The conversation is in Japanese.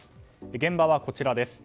現場は、こちらです。